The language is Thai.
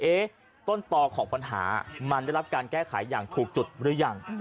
ต้นต่อของปัญหามันได้รับการแก้ไขอย่างถูกจุดหรือยัง